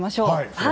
はい。